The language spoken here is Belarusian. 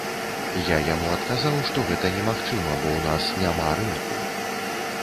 Я яму адказаў, што гэта немагчыма, бо ў нас няма рынку.